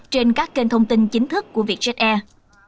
trên các kênh thông tin chính thức của vietjet air